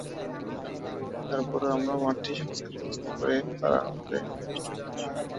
তার পরও আমরা মাঠটি সংস্কারের ব্যবস্থা করে খেলার আওতায় আনার চেষ্টা করছি।